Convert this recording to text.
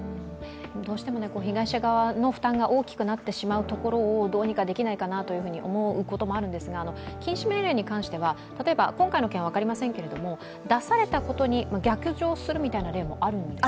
どうしても被害者側の負担が大きくなってしまうところをどうにかならないかと思うこともあるんですが禁止命令に関しては例えば、出されたことに逆上するという例もあるんですか？